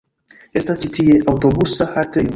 Estas ĉi tie aŭtobusa haltejo.